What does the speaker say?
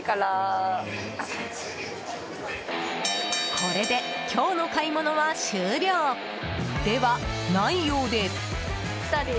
これで今日の買い物は終了。ではないようで。